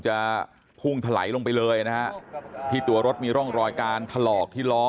จะพุ่งถลายลงไปเลยนะฮะที่ตัวรถมีร่องรอยการถลอกที่ล้อ